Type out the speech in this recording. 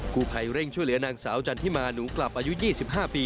กูภัยเร่งช่วยเหลือนางสาวจันทิมาหนูกลับอายุ๒๕ปี